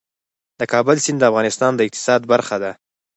د کابل سیند د افغانستان د اقتصاد برخه ده.